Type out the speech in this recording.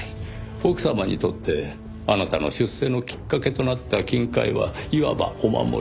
奥様にとってあなたの出世のきっかけとなった金塊はいわばお守り。